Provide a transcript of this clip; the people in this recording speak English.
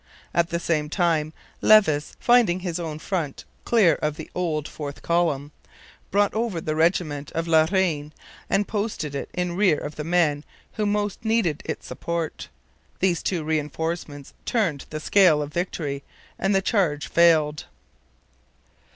At the same time Levis, finding his own front clear of the old fourth column, brought over the regiment of La Reine and posted it in rear of the men who most needed its support. These two reinforcements turned the scale of victory, and the charge failed.